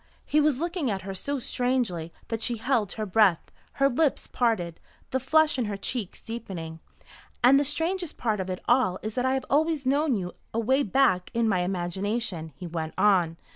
He was looking at her so strangely that she held her breath, her lips parted, the flush in her cheeks deepening. "And the strangest part of it all is that I have always known you away back in my imagination," he went on.